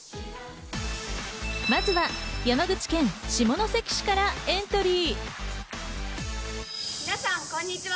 まずは山口県下関市からエントリー。